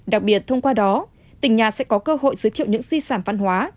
đặc biệt thông qua đó tỉnh nhà sẽ có cơ hội giới thiệu những di sản văn hóa